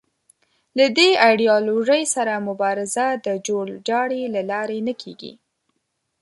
له دې ایدیالوژۍ سره مبارزه د جوړ جاړي له لارې نه کېږي